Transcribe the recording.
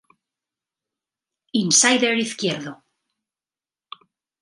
Insider izquierdo.